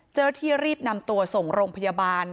เจ้าหน้าที่รีบนำตัวส่งโรงพยาบาล